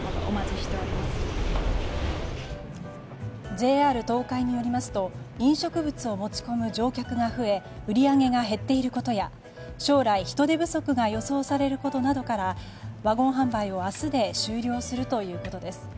ＪＲ東海によりますと飲食物を持ち込む乗客が増え売り上げが減っていることや将来、人手不足が予想されることなどからワゴン販売を明日で終了するということです。